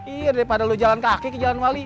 iya daripada lu jalan kaki ke jalan wali